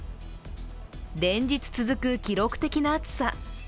連日続く記録的な暑さ。